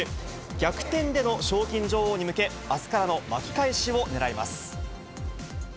逆転での賞金女王に向け、あすからの巻き返しをねらいます。